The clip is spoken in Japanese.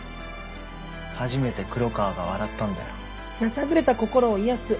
初めて黒川が笑ったんだよ。やさぐれた心を癒やすおいしいごはん。